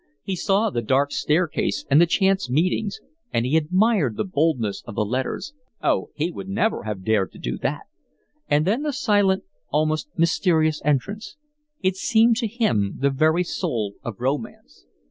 He saw the dark staircase and the chance meetings, and he admired the boldness of the letters—oh, he would never have dared to do that—and then the silent, almost mysterious entrance. It seemed to him the very soul of romance.